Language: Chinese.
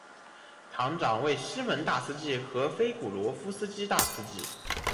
堂长为西蒙大司祭和菲古罗夫斯基大司祭。